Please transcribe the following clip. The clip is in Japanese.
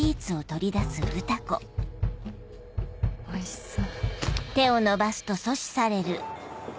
おいしそう。